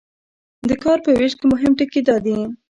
د کار په ویش کې مهم ټکي دا دي.